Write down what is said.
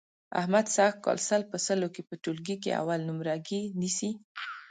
احمد سږ کال سل په سلو کې په ټولګي کې اول نمرګي نیسي.